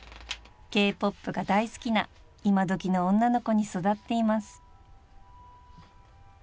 ［Ｋ−ＰＯＰが大好きな今どきの女の子に育っています］